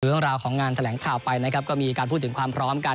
เรื่องราวของงานแถลงข่าวไปนะครับก็มีการพูดถึงความพร้อมกัน